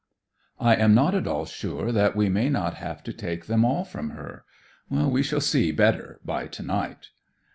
I am not at all sure that we may not have to take them all from her. We shall see better by to night."